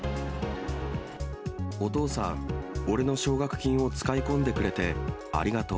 お父さん、オレの奨学金を使いこんでくれて、ありがとう。